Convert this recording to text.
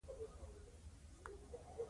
د اروپا د نولسمې پېړۍ ستر بانک جوړ کړ.